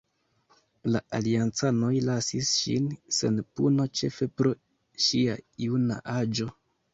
La aliancanoj lasis ŝin sen puno, ĉefe pro ŝia juna aĝo.